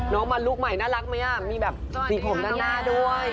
น้องมันลูกใหม่น่ารักไหมมีแบบสีผมด้านหน้าด้วย